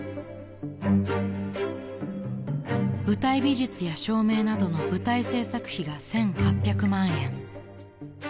［舞台美術や照明などの舞台制作費が１，８００万円］